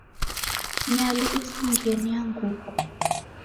Nyalu isingie ni ya nguku.